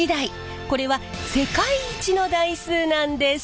これは世界一の台数なんです。